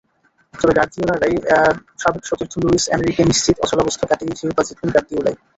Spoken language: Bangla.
তবে গার্দিওলারই সাবেক সতীর্থ লুইস এনরিকে নিশ্চিত, অচলাবস্থা কাটিয়ে শিরোপা জিতবেন গার্দিওলাই।